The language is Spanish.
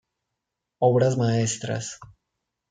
Obras maestras".